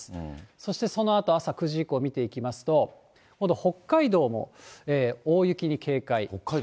そしてそのあと朝９時以降、見ていきますと、今度北海道も大雪に警戒。